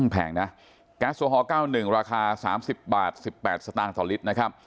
แพงนะแก๊สโอฮอล๙๑ราคา๓๐บาท๑๘สตางค์ต่อลิตรนะครับ